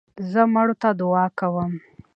زه مړو ته دؤعا کوم.